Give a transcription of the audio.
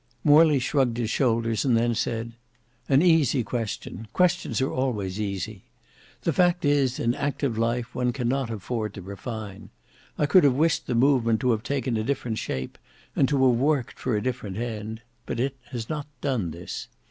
Morley shrugged his shoulders, and then said "An easy question. Questions are always easy. The fact is, in active life one cannot afford to refine. I could have wished the movement to have taken a different shape and to have worked for a different end; but it has not done this.